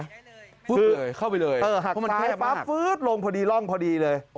หักซ้ายฟ้าฟื้ดลงพอดีล่องพอดีเลย